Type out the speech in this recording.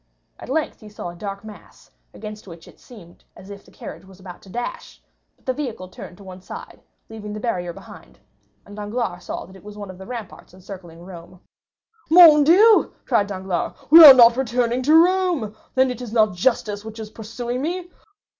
At length he saw a dark mass, against which it seemed as if the carriage was about to dash; but the vehicle turned to one side, leaving the barrier behind and Danglars saw that it was one of the ramparts encircling Rome. 50243m "Mon dieu!" cried Danglars, "we are not returning to Rome; then it is not justice which is pursuing me!